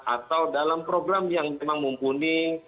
atau dalam program yang memang mumpuni